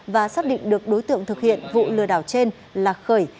và xác định được đối tượng thực hiện vụ lừa đảo trên là khởi